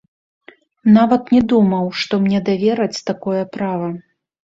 Нават не думаў, што мне давераць такое права.